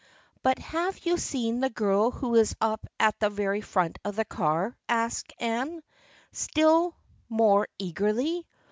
" But have you seen that girl who is up at the very front of the car ?" asked Anne, still more eagerly.